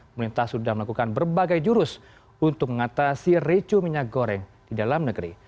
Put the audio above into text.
pemerintah sudah melakukan berbagai jurus untuk mengatasi recu minyak goreng di dalam negeri